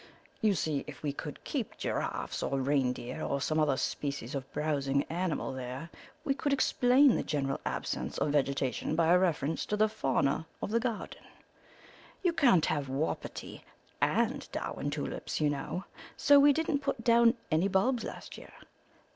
You see, if we could keep giraffes or reindeer or some other species of browsing animal there we could explain the general absence of vegetation by a reference to the fauna of the garden: 'You can't have wapiti and Darwin tulips, you know, so we didn't put down any bulbs last year.